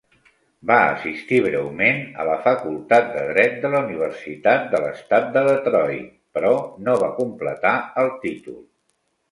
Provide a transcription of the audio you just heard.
Va assistir breument a la Facultat de Dret de la Universitat de l'Estat de Detroit, però no va completar el títol.